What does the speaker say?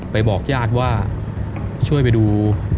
ไปบอกยาดว่าช่วยไปดู